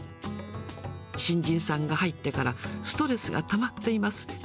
新人さんが入ってから、ストレスがたまっています。